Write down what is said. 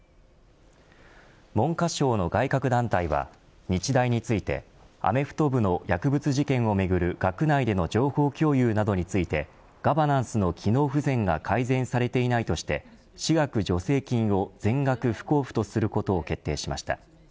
文科省の外郭団体は日大についてアメフト部の薬物事件をめぐる学内での情報共有などについてガバナンスの機能不全が改善されていないとして私学助成金を全額不交付とすることを決定しました。